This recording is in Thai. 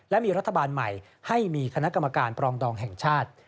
และมีรัฐบาลใหม่ให้มีคณะกรรมการปรองดองแห่งชาติ